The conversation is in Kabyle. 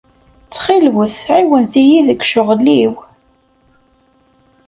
Ttxil-wet ɛiwnet-iyi deg ccɣel-iw.